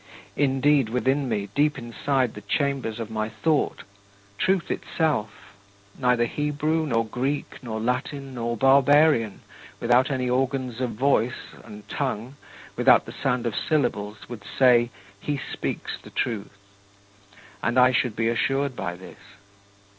Indeed, within me, deep inside the chambers of my thought, Truth itself neither Hebrew, nor Greek, nor Latin, nor barbarian, without any organs of voice and tongue, without the sound of syllables would say, "He speaks the truth," and I should be assured by this.